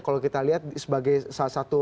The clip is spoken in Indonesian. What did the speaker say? kalau kita lihat sebagai salah satu